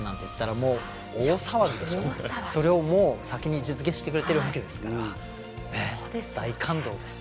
もうそれを先に実現してくれてるわけですから大感動ですよ。